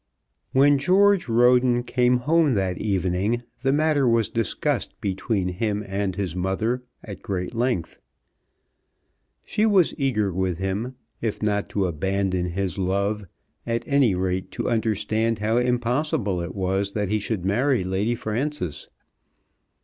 When George Roden came home that evening the matter was discussed between him and his mother at great length. She was eager with him, if not to abandon his love, at any rate to understand how impossible it was that he should marry Lady Frances.